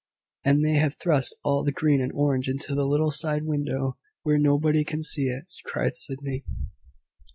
"And they have thrust all the green and orange into the little side window, where nobody can see it!" cried Sydney.